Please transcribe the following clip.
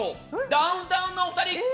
ダウンタウンのお二人。